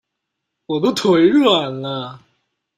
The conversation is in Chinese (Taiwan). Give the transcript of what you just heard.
我都腿軟了